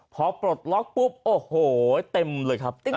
พอปลดล็อกปุ๊บโอ้โหเต็มเลยครับ